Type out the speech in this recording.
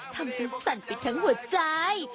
ทำสุดสั่นไปทั้งหัวใจ